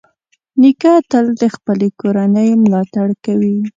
نیکه تل د خپلې کورنۍ ملاتړ کوي.